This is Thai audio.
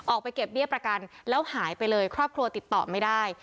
ออกไปเก็บเบี้ยประกันแล้วหายไปเลยครอบครัวติดต่อไม่ได้